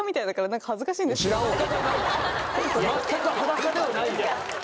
全く裸ではない。